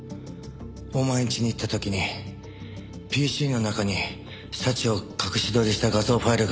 お前んちに行った時にＰＣの中に早智を隠し撮りした画像ファイルがあったの。